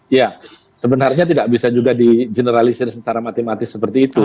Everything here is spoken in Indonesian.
ya sebenarnya tidak bisa juga di generalisir secara matematis seperti itu